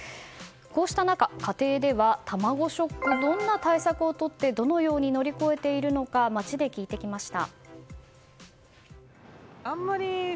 こうした中、家庭では卵ショックどんな対策をとってどのように乗り越えているのか街で聞いてきました。